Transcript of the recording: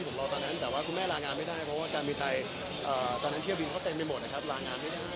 มันยังไม่ได้คุยตรงนี้จะอะไรยังไงกันบ้าง